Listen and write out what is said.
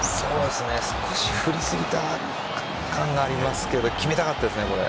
少し振りすぎた感がありますが決めたかったですね、これ。